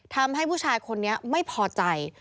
ทำให้ผู้ชายคนนี้ไม่พอใจ